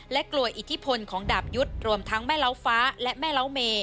และกลัวอิทธิพลของดาบยุทธ์รวมทั้งแม่เล้าฟ้าและแม่เล้าเม